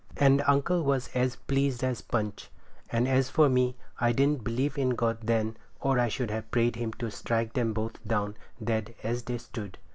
And uncle was as pleased as Punch; and as for me, I didn't believe in God then, or I should have prayed Him to strike them both down dead as they stood.